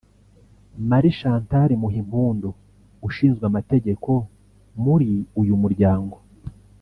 Marie Chantal Muhimpundu ushinzwe amategeko muri uyu muryango